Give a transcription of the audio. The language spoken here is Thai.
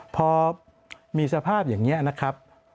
พอมีสภาพอย่างนี้นะครับ